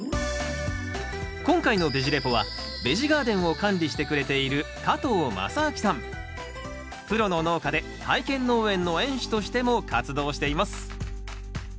今回のベジ・レポはベジガーデンを管理してくれているプロの農家で体験農園の園主としても活動しています。